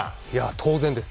当然です。